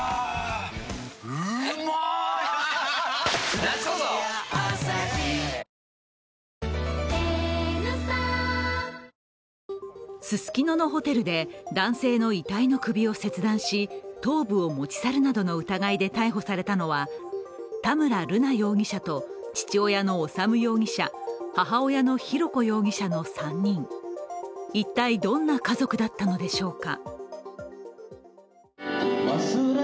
うまクリアアサヒイェーイススキノのホテルで男性の遺体の首を切断し頭部を持ち去るなどの疑いで逮捕されたのは田村瑠奈容疑者と父親の修容疑者、母親の浩子容疑者の３人、一体どんな家族だったのでしょうか。